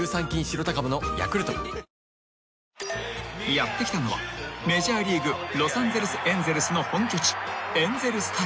［やって来たのはメジャーリーグロサンゼルス・エンゼルスの本拠地］